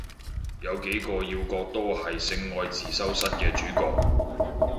有幾個要角都係性愛自修室嘅主角